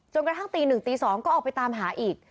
จนกระทั่งตีหนึ่งตีสองก็ออกไปตามหาอีก